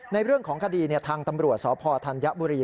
ในเรื่องของคดีทางตำรวจสพธัญบุรี